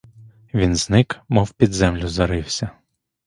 Він зник, мов під землю зарився.